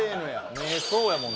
目そうやもん。